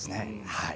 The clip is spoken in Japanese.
はい。